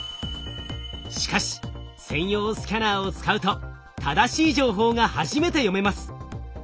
しかし専用スキャナーを使うと正しい情報が初めて読めます。